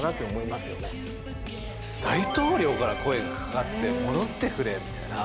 大統領から声が掛かって戻ってくれみたいな。